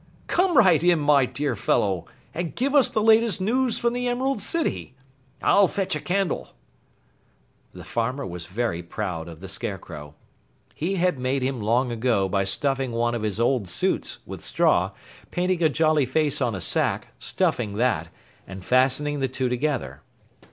Come right in, my dear fellow, and give us the latest news from the Emerald City. I'll fetch a candle!" The farmer was very proud of the Scarecrow. He had made him long ago by stuffing one of his old suits with straw, painting a jolly face on a sack, stuffing that, and fastening the two together.